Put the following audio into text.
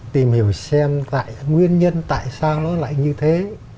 tìm hiểu xem tại nguyên nhân tại sao nó lại như thế